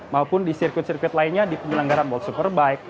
maupun di sirkuit sirkuit lainnya di penyelenggaraan buat superbike